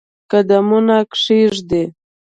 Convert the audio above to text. قدمونه کښېږدي